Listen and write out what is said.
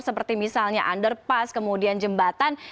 seperti misalnya underpass kemudian jembatan